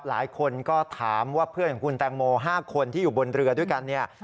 หลายคนก็ถามว่าเพื่อนของคุณแตงโม๕คนที่อยู่บนเรือด้วยกันเนี่ย